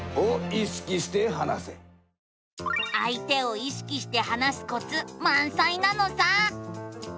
あい手を意識して話すコツまんさいなのさ。